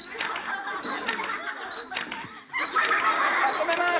止めます！